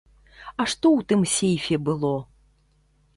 А што ў тым сейфе было?